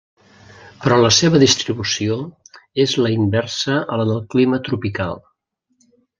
Però la seva distribució és la inversa a la del clima tropical.